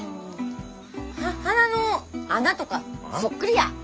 は鼻の穴とかそっくりや。